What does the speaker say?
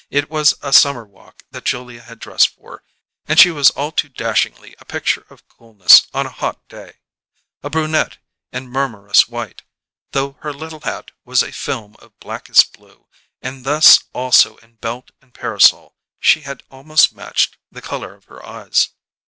It was a summer walk that Julia had dressed for: and she was all too dashingly a picture of coolness on a hot day: a brunette in murmurous white, though her little hat was a film of blackest blue, and thus also in belt and parasol she had almost matched the colour of her eyes.